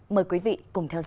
mời quý vị cùng theo dõi